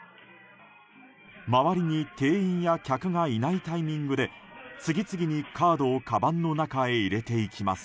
周りに店員や客がいないタイミングで次々にカードをかばんの中へ入れていきます。